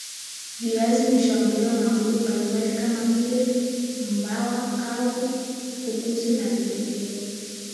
viazi hushambuliwa na wadudu mbalimbali kama vile mbawa kavu fukusi na vipepeo